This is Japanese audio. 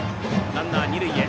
ランナー、二塁へ。